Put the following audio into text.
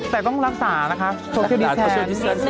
แต่ต้องรักษานะคะนิดหนึ่งเนอะนี่ค่ะต้องต้องนำความสะอาดก่อแม่